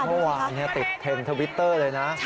เมื่อวานติดเทรนด์ทวิตเตอร์เลยนะ